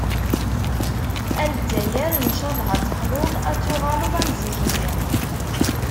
"A Lzzayer ncalleh ad teḥluḍ, ad tuɣaleḍ am zik-nni.